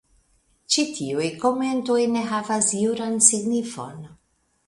Ĉi tiuj komentoj ne havas juran signifon.